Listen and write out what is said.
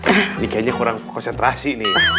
ini kayaknya kurang konsentrasi nih